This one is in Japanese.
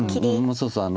そうそう。